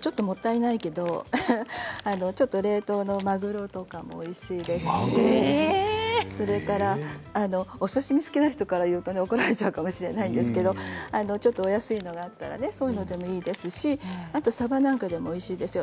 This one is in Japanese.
ちょっともったいないけど冷凍のまぐろとかもおいしいですしそれからお刺身好きな人から言うと怒られちゃうかもしれないんですけどちょっとお安いのがあったらそういうのもいいですしさばなんかもおいしいですよ。